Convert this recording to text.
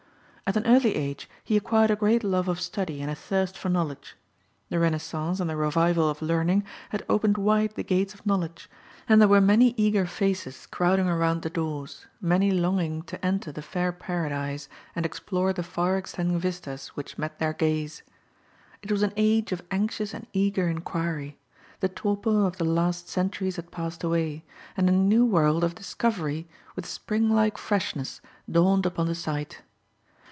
At an early age he acquired a great love of study and a thirst for knowledge. The Renaissance and the revival of learning had opened wide the gates of knowledge, and there were many eager faces crowding around the doors, many longing to enter the fair Paradise and explore the far extending vistas which met their gaze. It was an age of anxious and eager inquiry; the torpor of the last centuries had passed away; and a new world of discovery, with spring like freshness, dawned upon the sight.